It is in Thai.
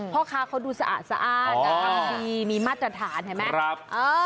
เพราะค้าเขาดูสะอาดกระทั่งดีมีมาตรฐานเห็นไหม